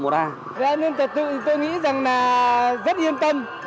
đã nên trật tự tôi nghĩ rằng rất yên tâm